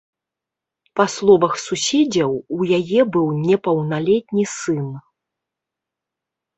Па словах суседзяў, у яе быў непаўналетні сын.